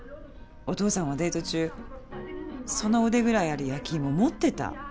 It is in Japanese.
お父さんはデート中その腕ぐらいある焼き芋持ってた。